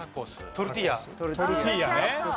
トルティーヤね。